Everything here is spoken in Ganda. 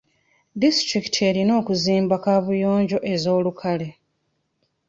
Disitulikiti erina okuzimba kaabuyonjo ez'olukale.